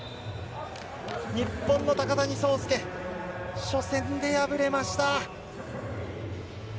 日本の高谷惣亮、初戦で敗れました。